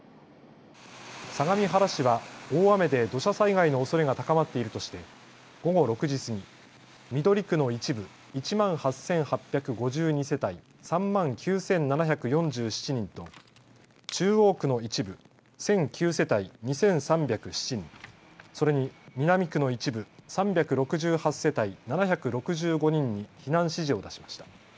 相模原市は大雨で土砂災害のおそれが高まっているとして午後６時過ぎ、緑区の一部、１万８８５２世帯３万９７４７人と、中央区の一部、１００９世帯２３０７人、それに南区の一部、３６８世帯７６５人に避難指示を出しました。